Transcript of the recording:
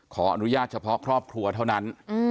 ขออนุญาตเฉพาะครอบครัวเท่านั้น